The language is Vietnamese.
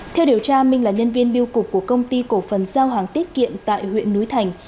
theo điều tra minh là nhân viên biêu cục của công ty cổ phần giao hàng tiết kiệm tại huyện núi thành